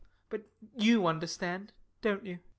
You understand, don't you?